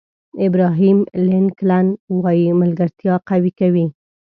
ابراهیم لینکلن وایي ملګرتیا قوي کوي.